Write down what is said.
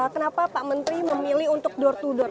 kenapa pak menteri memilih untuk door to door